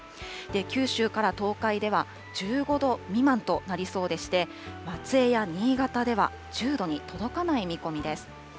九州から東海では、１５度未満となりそうでして、松江や新潟では１０度に届かない見込みです。